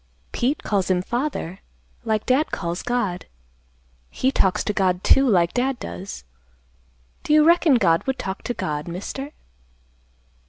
"Pete calls him father, like Dad calls God. He talks to God, too, like Dad does. Do you reckon God would talk to God, mister?"